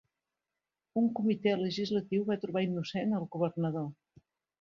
Un comitè legislatiu va trobar innocent al governador.